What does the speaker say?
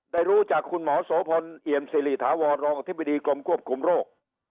ได้รู้จากคุณหมอโสพลเอี่ยมสิริถาวรรองอธิบดีกรมควบคุมโรค